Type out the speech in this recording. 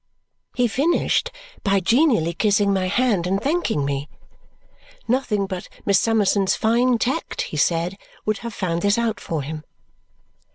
He finished by genially kissing my hand and thanking me. Nothing but Miss Summerson's fine tact, he said, would have found this out for him.